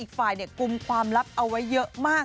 อีกฝ่ายกุมความลับเอาไว้เยอะมาก